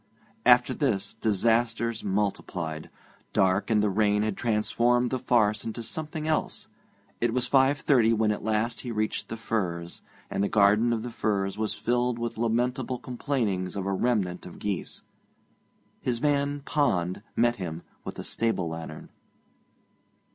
After this disasters multiplied. Dark and the rain had transformed the farce into something else. It was five thirty when at last he reached The Firs, and the garden of The Firs was filled with lamentable complainings of a remnant of geese. His man Pond met him with a stable lantern.